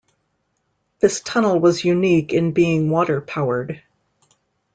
This tunnel was unique in being water-powered.